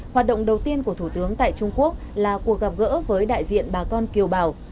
hoạt động đầu tiên của thủ tướng tại trung quốc là cuộc gặp gỡ với đại diện bà con kiều bào